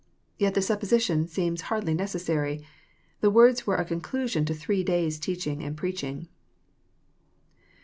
" Yet the supposition seems hardly necessary. The words were a conclusion to three days* teach ing and preaching.